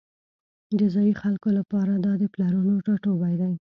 د ځایی خلکو لپاره دا د پلرونو ټاټوبی دی